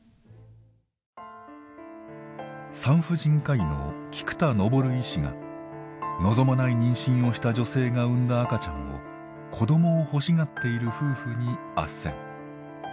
産婦人科医の菊田昇医師が望まない妊娠をした女性が産んだ赤ちゃんを子どもを欲しがっている夫婦にあっせん。